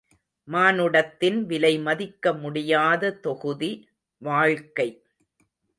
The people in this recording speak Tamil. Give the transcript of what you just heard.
மானுடத்தின் விலை மதிக்க முடியாத தொகுதி, வாழ்க்கை.